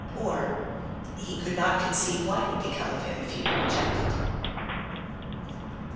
Or ... he could not conceive what would become of him if he were rejected.